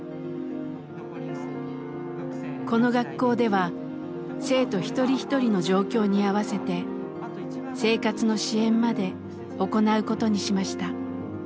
この学校では生徒一人一人の状況に合わせて生活の支援まで行うことにしました。